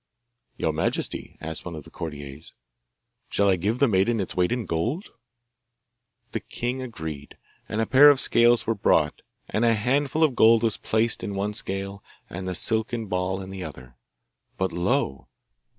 'Your majesty,' asked one of the courtiers, 'shall I give the maiden its weight in gold?' The king agreed, and a pair of scales were brought; and a handful of gold was placed in one scale and the silken ball in the other. But lo!